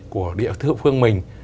của địa phương mình